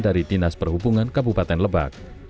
dari dinas perhubungan kabupaten lebak